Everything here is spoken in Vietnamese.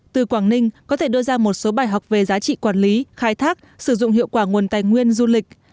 từ quảng ninh có thể đưa ra một số bài học về giá trị quản lý khai thác sử dụng hiệu quả nguồn tài nguyên du lịch